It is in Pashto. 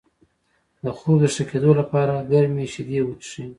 د خوب د ښه کیدو لپاره ګرمې شیدې وڅښئ